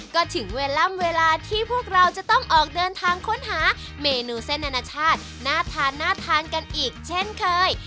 ก็ถึงเวลาล่ำเวลาที่พวกเราจะต้องออกเดินทางค้นหาเมนูเส้นอนาชาติน่าทานน่าทานกันอีกเช่นเคย